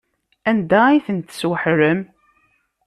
Anda ay tent-tesweḥlem?